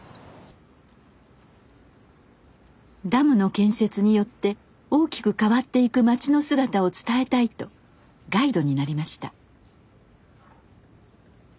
ダムの建設によって大きく変わっていく町の姿を伝えたいとガイドになりました。